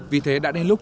vì thế đã đến lúc